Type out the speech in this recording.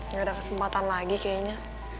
nggak ada kesempatan lagi kayaknya